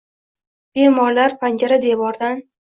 Bemorlar panjara-devordan...